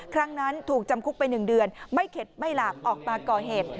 ครั้งนั้นถูกจำคุกไป๑เดือนไม่เข็ดไม่หลากออกมาก่อเหตุ